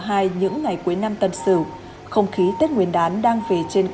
ai cũng muốn được ở bên bố mẹ